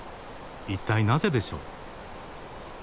一体なぜでしょう？